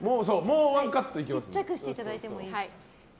小さくしていただいてもいい。